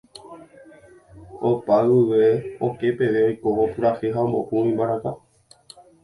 opay guive oke peve oiko opurahéi ha ombopu imbaraka